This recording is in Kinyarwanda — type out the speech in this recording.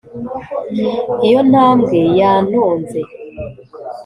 iyo ntambwe yantonze